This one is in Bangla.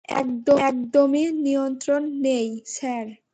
একদমই নিয়ন্ত্রণ নেই, স্যার।